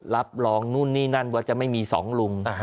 รับรองนู่นนี่นั่นว่าจะไม่มีสองลุง